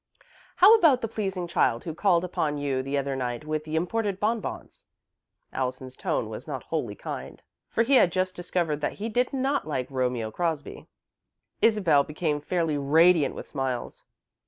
"How about the pleasing child who called upon you the other night, with the imported bonbons?" Allison's tone was not wholly kind, for he had just discovered that he did not like Romeo Crosby. Isabel became fairly radiant with smiles.